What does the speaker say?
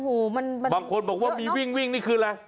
โอ้โหมันบางคนบอกว่ามีวิ่งวิ่งนี่คืออะไร